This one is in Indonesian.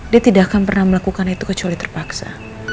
dia tidak akan pernah melakukan itu kecuali terpaksa